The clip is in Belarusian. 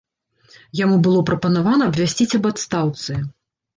Яму было прапанавана абвясціць аб адстаўцы.